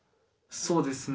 そうですね。